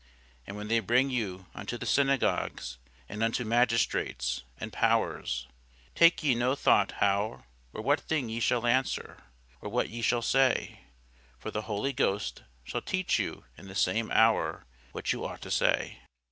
And when they bring you unto the synagogues, and unto magistrates, and powers, take ye no thought how or what thing ye shall answer, or what ye shall say: for the Holy Ghost shall teach you in the same hour what ye ought to say.